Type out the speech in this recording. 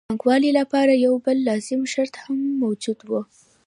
د پانګوالۍ لپاره یو بل لازم شرط هم موجود وو